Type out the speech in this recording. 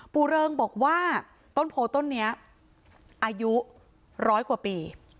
เริงบอกว่าต้นโพต้นนี้อายุร้อยกว่าปี